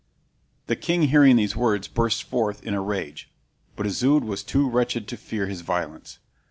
The king hearing these words burst forth in a rage; but Isoude was too wretched to fear his violence.